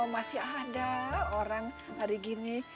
masih ada orang hari gini